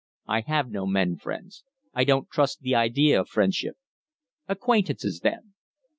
"I have no men friends. I don't trust the idea of friendship." "Acquaintances, then."